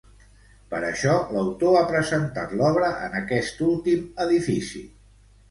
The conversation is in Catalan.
Per això, l'autor ha presentat l'obra en aquest últim edifici.